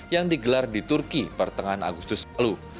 yang digelar di turki pertengahan agustus lalu